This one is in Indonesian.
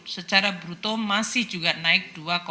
secara bruto masih juga naik dua lima puluh tujuh